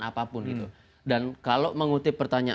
oke ada koordinasi yang sebenarnya tidak memberikan perkembangan